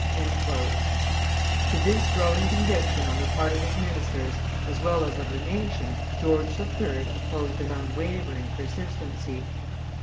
'" To this growing conviction on the part of his ministers, as well as of the nation, George III. opposed an unwavering persistency.